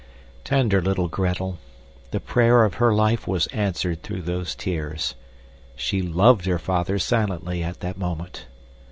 Tender little Gretel! The prayer of her life was answered through those tears. She LOVED her father silently at that moment.